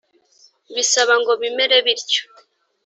Bizaba ngo bimere bityo.